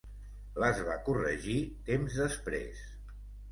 Les va corregir temps després.